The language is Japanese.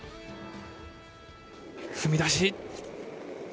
踏み出し。